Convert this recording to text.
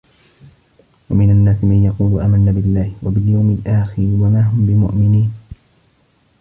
وَمِنَ النَّاسِ مَن يَقُولُ آمَنَّا بِاللَّهِ وَبِالْيَوْمِ الْآخِرِ وَمَا هُم بِمُؤْمِنِينَ